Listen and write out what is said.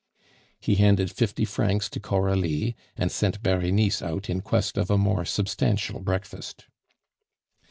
He handed fifty francs to Coralie, and sent Berenice out in quest of a more substantial breakfast.